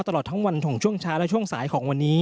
ตลอดทั้งวันของช่วงเช้าและช่วงสายของวันนี้